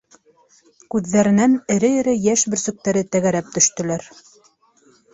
Күҙҙәренән эре-эре йәш бөрсөктәре тәгәрәп төштөләр.